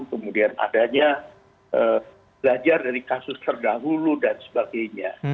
kemudian adanya belajar dari kasus terdahulu dan sebagainya